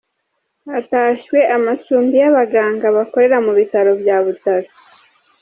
Hatashywe amacumbi y’abaganga bakorera ku bitaro bya Butaro